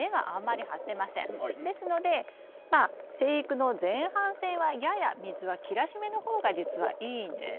ですのでまあ生育の前半戦はやや水は切らしめの方が実はいいんです。